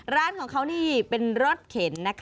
ร้านของเขานี่เป็นรถเข็นนะคะ